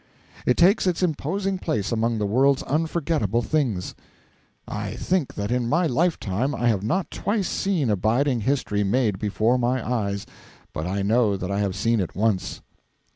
It takes its imposing place among the world's unforgettable things. It think that in my lifetime I have not twice seen abiding history made before my eyes, but I know that I have seen it once.